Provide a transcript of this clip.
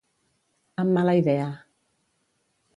Amb mala idea.